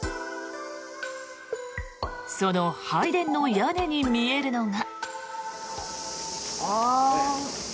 その拝殿の屋根に見えるのが。